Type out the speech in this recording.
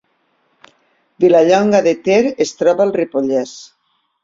Vilallonga de Ter es troba al Ripollès